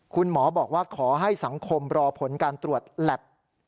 คุณหมอบอกว่าขอให้สังคมรอผลการตรวจแล็บ